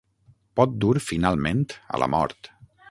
Pot dur finalment a la mort.